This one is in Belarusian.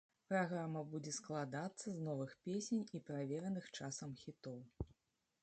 Праграма будзе складацца з новых песень і правераных часам хітоў.